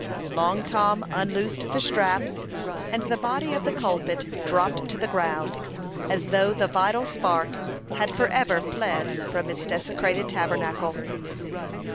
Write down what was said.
Long Tom unloosed the straps, and the body of the culprit dropped to the ground, as though the vital spark had for ever fled from its desecrated tabernacle.